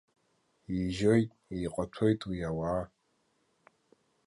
Ижьоит, иҟаҭәоит уи ауаа.